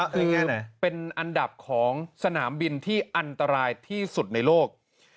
คือเป็นอันดับของสนามบินที่อันตรายที่สุดในโลก